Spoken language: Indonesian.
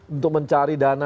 untuk mencari dana